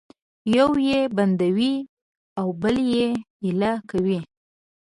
یو یې بندوي او بل یې ایله کوي